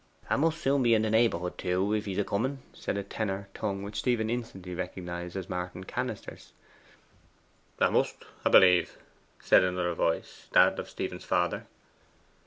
''A must soon be in the naibourhood, too, if so be he's a coming,' said a tenor tongue, which Stephen instantly recognized as Martin Cannister's. ''A must 'a b'lieve,' said another voice that of Stephen's father.